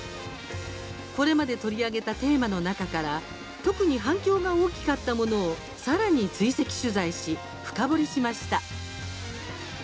これまで取り上げたテーマの中から特に反響が大きかったものをさらに追跡取材し深掘りしました。